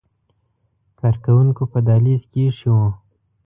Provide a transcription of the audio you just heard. کارکوونکو په دهلیز کې ایښي وو.